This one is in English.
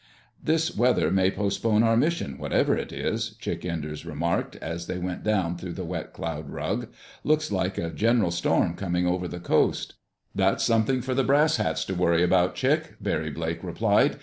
"This weather may postpone our mission, whatever it is," Chick Enders remarked as they went down through the wet cloud rug. "Looks like a general storm coming over the coast." "That's something for the brass hats to worry about, Chick," Barry Blake replied.